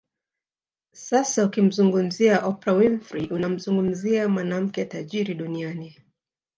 Sasa ukimzungumzia Oprah Winfrey unamzungumzia mwanamke tajiri Duniani